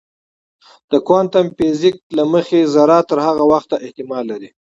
د کوانتم فزیک له مخې ذره تر هغه وخته احتمال لري.